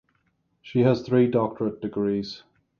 She has three doctorate degrees.